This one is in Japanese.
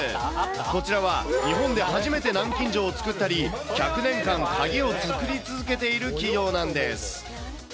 こちらは、日本で初めて南京錠を作ったり、１００年間鍵を作り続けている企業なんです。